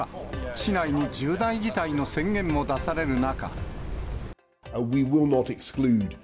市内に重大事態の宣言も出される中。